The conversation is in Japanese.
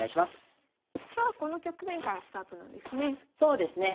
今日はこの局面からスタートなんですね。